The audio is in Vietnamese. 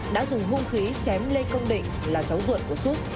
đã dùng vũ khí chém lê công định là cháu ruột của xuất